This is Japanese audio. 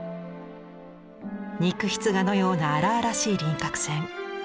肉筆画のような荒々しい輪郭線。